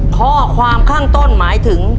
ข้อความข้างต้นหมายถึง